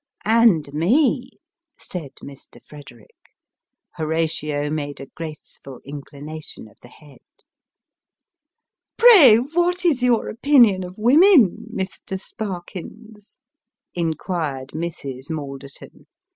" And me," said Mr. Frederick. Horatio made a graceful inclina tion of the head. " Pray, what is your opinion of woman, Mr. Sparkins ?" inquired Mrs. Malderton.